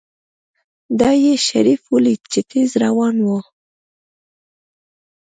دا يې شريف وليد چې تېز روان و.